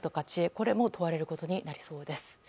これも問われることになりそうです。